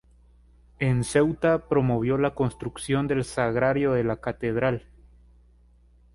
En Ceuta promovió la construcción del sagrario de la catedral.